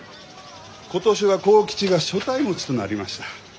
今年は幸吉が所帯持ちとなりました。